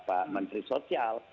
pak menteri sosial